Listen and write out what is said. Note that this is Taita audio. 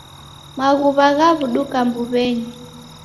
Maghuw'a ghaw'uduka mbuw'enyi.